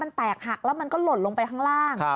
มันแตกหักแล้วมันก็หล่นลงไปข้างล่าง